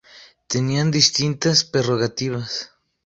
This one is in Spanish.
Tenían distintas prerrogativas.